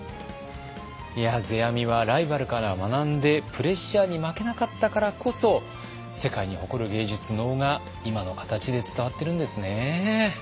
いや世阿弥はライバルから学んでプレッシャーに負けなかったからこそ世界に誇る芸術能が今の形で伝わってるんですね。